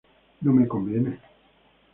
No me conviene.